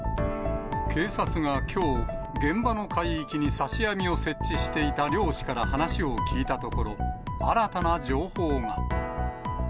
警察がきょう、現場の海域に刺し網を設置していた漁師から話を聴いたところ、新たな情報が。